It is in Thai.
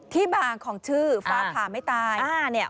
ที่บางของชื่อฟ้าผ่าไม่ตาย